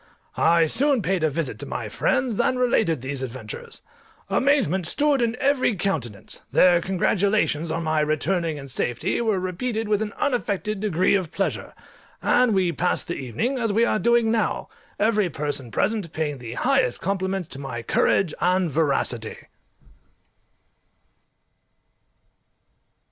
I soon paid a visit to my friends, and related these adventures. Amazement stood in every countenance; their congratulations on my returning in safety were repeated with an unaffected degree of pleasure, and we passed the evening as we are doing now, every person present paying the highest compliments to my COURAGE and VERACITY.